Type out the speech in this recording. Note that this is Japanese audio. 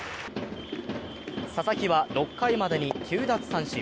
佐々木は６回までに９奪三振。